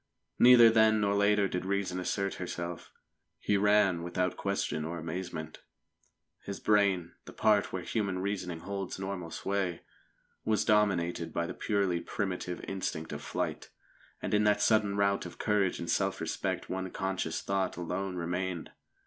Neither then nor later did Reason assert herself. He ran without question or amazement. His brain the part where human reasoning holds normal sway was dominated by the purely primitive instinct of flight. And in that sudden rout of courage and self respect one conscious thought alone remained.